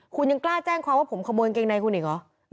คุณยังกล้าแจ้งความว่าผมขโมยกางเกงในคุณอีกเหรอ